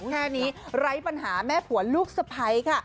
แค่นี้ไร้ปัญหาแม่ผัวลูกสไพซ์